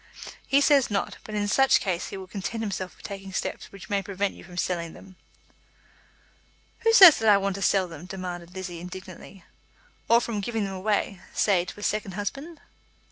"He says not; but in such case he will content himself with taking steps which may prevent you from selling them." "Who says that I want to sell them?" demanded Lizzie indignantly. "Or from giving them away, say to a second husband."